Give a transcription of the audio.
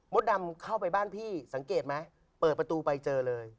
ดำเข้าไปบ้านพี่สังเกตไหมเปิดประตูไปเจอเลย